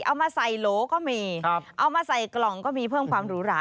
เอามาใส่โหลก็มีเอามาใส่กล่องก็มีเพิ่มความหรูหรา